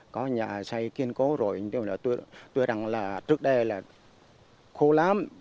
có nhà xây kiên cố rồi tuy rằng là trước đây là khô lắm